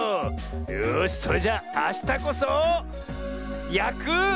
よしそれじゃあしたこそやく。